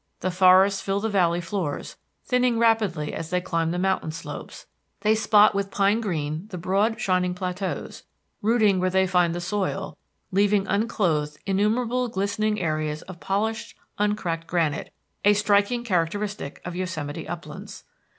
The forests fill the valley floors, thinning rapidly as they climb the mountain slopes; they spot with pine green the broad, shining plateaus, rooting where they find the soil, leaving unclothed innumerable glistening areas of polished uncracked granite; a striking characteristic of Yosemite uplands.